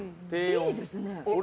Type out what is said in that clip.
いいですね。